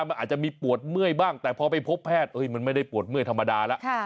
มันอาจจะมีปวดเมื่อยบ้างแต่พอไปพบแพทย์มันไม่ได้ปวดเมื่อยธรรมดาแล้ว